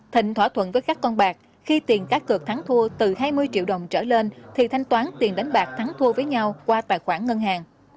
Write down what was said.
thịnh thỏa thuận với các con bạc khi tiền các cược thắng thua từ hai mươi triệu đồng trở lên thì thanh toán tiền đánh bạc thắng thua với nhau qua tài khoản ngân hàng